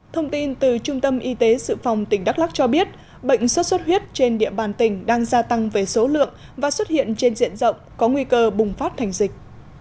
thông tin từ trung tâm y tế sự phòng tỉnh đắk lắc cho biết bệnh xuất xuất huyết trên địa bàn tỉnh đang gia tăng về số lượng và xuất hiện trên diện rộng có nguy cơ bùng phát thành dịch